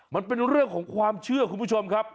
มันเป็นเรื่องของความเชื่อคุณผู้ชมครับ